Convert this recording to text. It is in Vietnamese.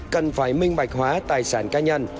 cần phải minh bạch hóa tài sản cá nhân